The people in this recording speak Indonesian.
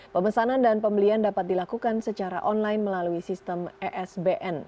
pemesanan dan pembelian dapat dilakukan secara online melalui sistem esbn